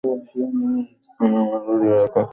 আমি আমার পরিবারের কাছে ফোন করার কথা বলছি।